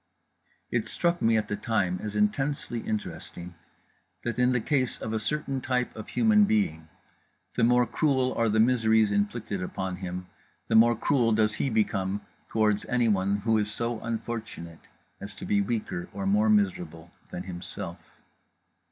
It struck me at the time as intensely interesting that, in the case of a certain type of human being, the more cruel are the miseries inflicted upon him the more cruel does he become toward anyone who is so unfortunate as to be weaker or more miserable than himself.